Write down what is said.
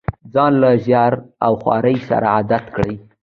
ځان له زیار او خوارۍ سره عادت کړي.